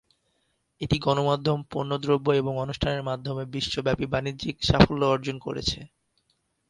এটি গণমাধ্যম, পণ্যদ্রব্য এবং অনুষ্ঠানের মাধ্যমে বিশ্বব্যাপী বাণিজ্যিক সাফল্য অর্জন করেছে।